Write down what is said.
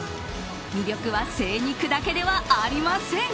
魅力は精肉だけではありません。